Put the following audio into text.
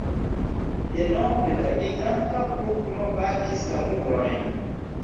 Denove la giganta pugno batis la murojn.